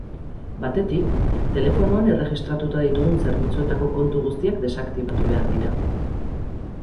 Batetik, telefonoan erregistratuta ditugun zerbitzuetako kontu guztiak desaktibatu behar dira.